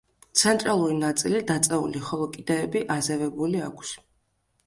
ცენტრალური ნაწილი დაწეული, ხოლო კიდეები აზევებული აქვს.